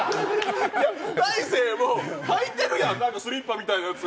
大晴、履いてるやん、スリッパみたいなやつ。